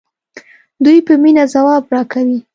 دوی په مینه ځواب راکوي.